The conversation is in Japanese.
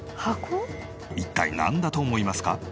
一体なんだと思いますか？